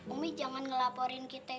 umi jangan ngelaporin kita